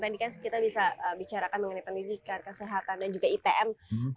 tadi kan kita bisa bicarakan mengenai pendidikan kesehatan dan juga ipm